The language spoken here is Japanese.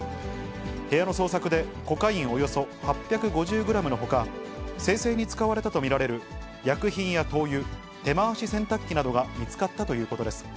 部屋の捜索で、コカインおよそ８５０グラムのほか、精製に使われたと見られる薬品や灯油、手回し洗濯機などが見つかったということです。